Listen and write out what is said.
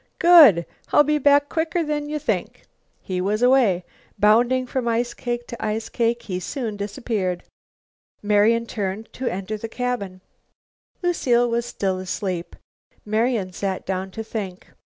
"Good! I'll be back quicker than you think." He was away. Bounding from ice cake to ice cake he soon disappeared. Marian turned to enter the cabin. Lucile was still asleep. Marian sat down to think.